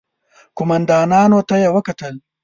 قوماندانانو ته يې وکتل.